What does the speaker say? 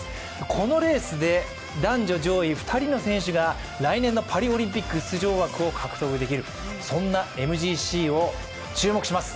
このレースで、男女上位２人の選手が来年のパリオリンピックの出場枠を獲得できるというそんなＭＧＣを注目します！